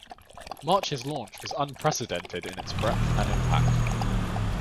March's launch was unprecedented in its breadth and impact.